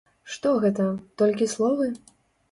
Што гэта, толькі словы?